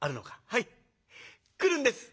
「はい。来るんです」。